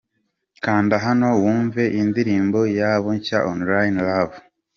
Kanda hano wumve indirimbo yabo nshya Online Love.